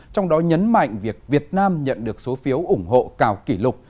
trong đó nhấn mạnh việc việt nam nhận được số phiếu ủng hộ cao kỷ lục